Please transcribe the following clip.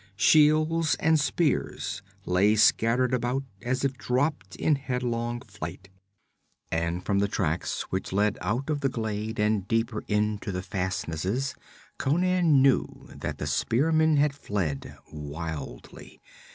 Shields and spears lay scattered about as if dropped in headlong flight. And from the tracks which led out of the glade and deeper into the fastnesses, Conan knew that the spearmen had fled, wildly.